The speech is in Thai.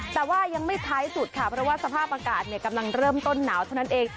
แต่ว่ายังไม่ท้ายสุดค่ะเพราะว่าสภาพอากาศกำลังเริ่มต้นหนาวเท่านั้นเอง